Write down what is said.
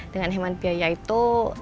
dengan hemat biaya itu